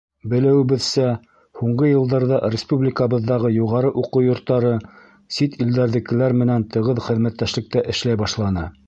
Белеүебеҙсә, һуңғы йылдарҙа республикабыҙҙағы юғары уҡыу йорттары сит илдәрҙекеләр менән тығыҙ хеҙмәттәшлектә эшләй башланы.